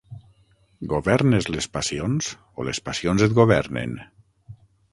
Governes les passions o les passions et governen?